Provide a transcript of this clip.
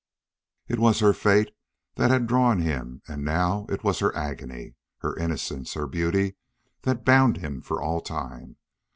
It was her fate that had drawn him; and now it was her agony, her innocence, her beauty, that bound him for all time.